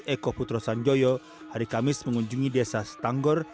eko putro sanjoyo hari kamis mengunjungi desa stanggor